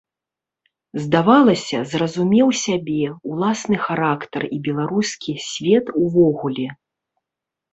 Здавалася, зразумеў сябе, уласны характар і беларускі свет увогуле.